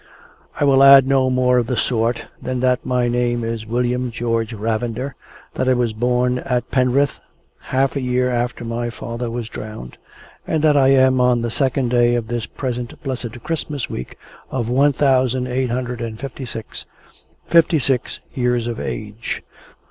I will add no more of the sort than that my name is William George Ravender, that I was born at Penrith half a year after my own father was drowned, and that I am on the second day of this present blessed Christmas week of one thousand eight hundred and fifty six, fifty six years of age.